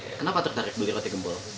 kenapa tertarik beli roti gempol